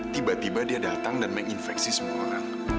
tiba tiba dia datang dan menginfeksi semua orang